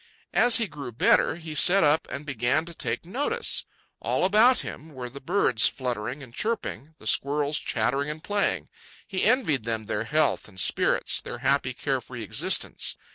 As he grew better, he sat up and began to take notice. All about him were the birds fluttering and chirping, the squirrels chattering and playing. He envied them their health and spirits, their happy, care free existence.